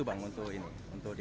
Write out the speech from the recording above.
ya harus pakai